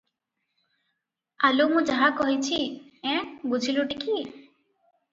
ଆଲୋ ମୁଁ ଯାହା କହିଛି- ଏଁ, ବୁଝିଲୁଟି କି?